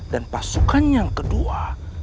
dan pasukan yang kedua